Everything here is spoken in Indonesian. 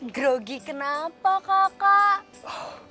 grogi kenapa kakak